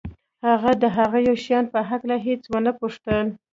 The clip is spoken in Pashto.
هغه د هغو شیانو په هکله هېڅ ونه پوښتل